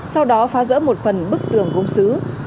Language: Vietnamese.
sau đó phá rỡ một phần bức tường gốm xứ